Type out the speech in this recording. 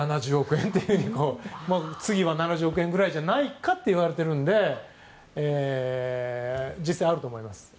円次は７０億円ぐらいじゃないかといわれているので実際、あると思います。